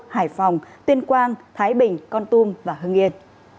hải phòng tuyên quang thái bình con tum và hưng yên